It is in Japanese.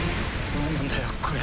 何なんだよこれ。